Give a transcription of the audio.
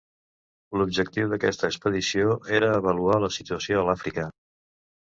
L'objectiu d'aquesta expedició era avaluar la situació a l'Àfrica.